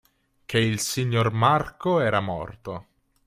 che il signor Marco era morto.